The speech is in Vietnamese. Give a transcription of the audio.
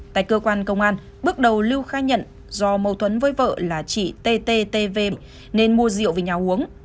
tại cơ quan công an bước đầu lưu khai nhận do mâu thuẫn với vợ là chị ttv nên mua rượu về nhà uống